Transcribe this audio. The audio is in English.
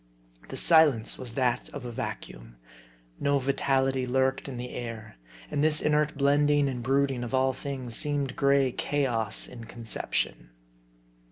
The silence was that of a vacuum. No vitality lurked in the air. And this inert blending and brooding of all things seemed gray chaos in conception.